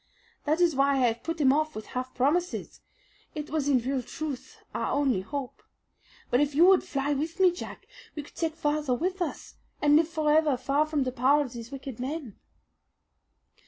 That is why I have put him off with half promises. It was in real truth our only hope. But if you would fly with me, Jack, we could take father with us and live forever far from the power of these wicked men."